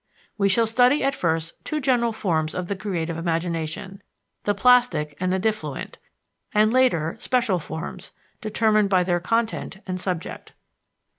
We shall study at first two general forms of the creative imagination the plastic and the diffluent and later, special forms, determined by their content and subject.